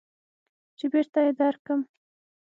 چې بېرته يې درکم.